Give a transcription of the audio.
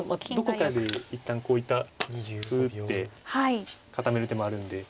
どこかで一旦こういった歩打って固める手もあるんで。